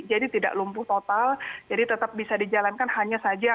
jadi tidak lumpuh total jadi tetap bisa dijalankan hanya saja